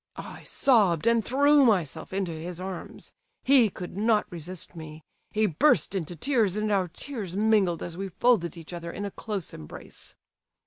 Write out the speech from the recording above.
I sobbed and threw myself into his arms. He could not resist me—he burst into tears, and our tears mingled as we folded each other in a close embrace.